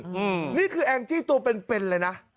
อืมนี่คือแองจี้ตัวเป็นเป็นเลยนะ